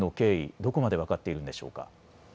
どこまで分かっているのでしょうか。